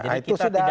nah itu sudah